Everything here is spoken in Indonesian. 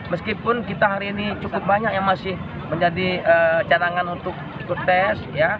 meskipun kita hari ini cukup banyak yang masih menjadi cadangan untuk ikut tes